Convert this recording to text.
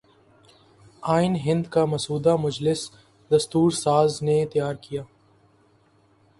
آئین ہند کا مسودہ مجلس دستور ساز نے تیار کیا